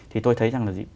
thì tôi thấy rằng là